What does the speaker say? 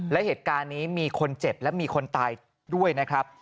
และเหตุการณ์นี้มีคนเจ็บและมีคนตายด้วยนะครับ